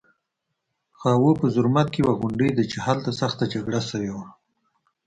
خاوو په زرمت کې یوه غونډۍ ده چې هلته سخته جګړه شوې وه